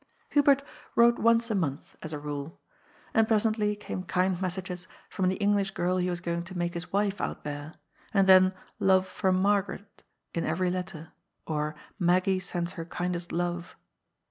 Hubert wrote once a month, as a rule. And presently came kind messages from the English girl he was going to make his wife out there, and then '^ love from Margaret " in every letter, or " Maggie sends her kindest love."